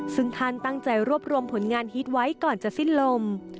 ซึ่งท่านตั้งใจรวบรวมผลงานฮิตไว้ก่อนจะสิ้นลม